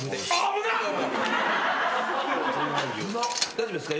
大丈夫ですか？